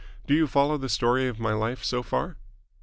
Do you follow the story of my life so far?"